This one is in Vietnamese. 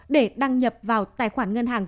để đăng nhập vào tài khoản ngân hàng